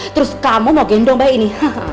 terus kamu mau gendong mbak ini